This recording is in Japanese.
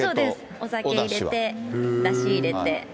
お酒入れて、だし入れて。